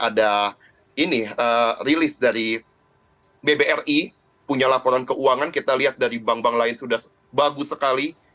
ada ini rilis dari bbri punya laporan keuangan kita lihat dari bank bank lain sudah bagus sekali